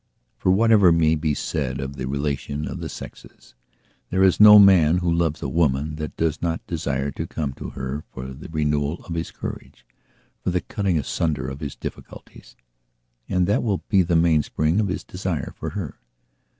For, whatever may be said of the relation of the sexes, there is no man who loves a woman that does not desire to come to her for the renewal of his courage, for the cutting asunder of his difficulties. And that will be the mainspring of his desire for her.